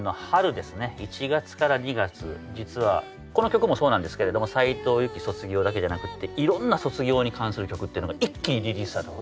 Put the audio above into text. １月から２月実はこの曲もそうなんですけれども斉藤由貴「卒業」だけじゃなくていろんな卒業に関する曲ってのが一気にリリースされたタイミングなんですよ。